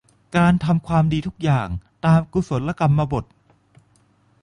การทำความดีทุกอย่างตามกุศลกรรมบถ